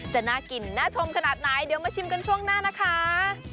จะน่ากินน่าชมขนาดไหนเดี๋ยวมาชิมกันช่วงหน้านะคะ